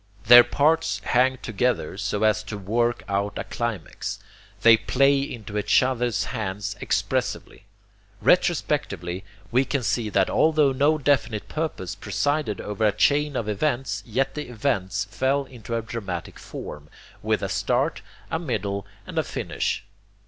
Their parts hang together so as to work out a climax. They play into each other's hands expressively. Retrospectively, we can see that altho no definite purpose presided over a chain of events, yet the events fell into a dramatic form, with a start, a middle, and a finish.